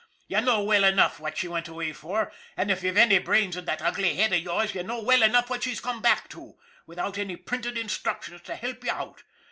' You know well enough what she went away for, and if youVe any brains in that ugly head of yours you know well enough what she's come back to, without any printed instructions to help you out.